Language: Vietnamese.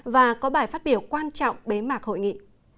và có bài phát biểu quan trọng bế mạc hội nghị